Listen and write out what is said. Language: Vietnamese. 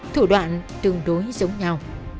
thủ đoạn tương đối giống nhau